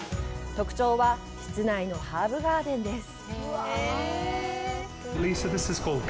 特徴は、室内のハーブガーデンです。